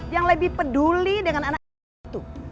yang lebih peduli dengan anak anak itu